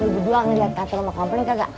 lu dua dua ngeliat katro sama kapleng kagak